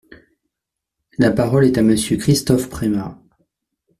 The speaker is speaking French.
La parole est à Monsieur Christophe Premat.